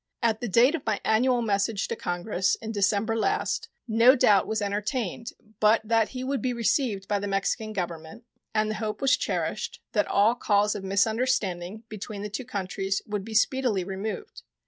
At the date of my annual message to Congress in December last no doubt was entertained but that he would be received by the Mexican Government, and the hope was cherished that all cause of misunderstanding between the two countries would be speedily removed.